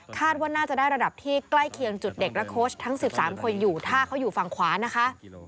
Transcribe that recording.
ว่าน่าจะได้ระดับที่ใกล้เคียงจุดเด็กและโค้ชทั้ง๑๓คนอยู่ถ้าเขาอยู่ฝั่งขวานะคะ